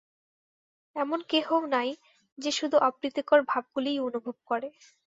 এমন কেহও নাই, যে শুধু অপ্রীতিকর ভাবগুলিই অনুভব করে।